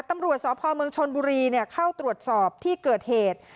ตำรวจสพเมืองชนบุรีเข้าตรวจสอบที่เกิดเหตุ